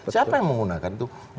siapa yang menggunakan itu